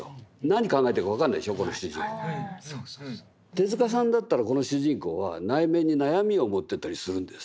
手さんだったらこの主人公は内面に悩みを持ってたりするんです。